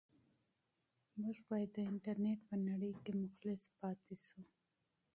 موږ باید د انټرنيټ په نړۍ کې مخلص پاتې شو.